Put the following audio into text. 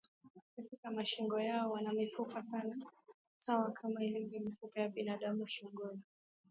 Katika mashingo yao wana mifupa sawa kama ilivyo mifupa ya binaadamu shingoni